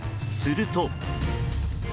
すると。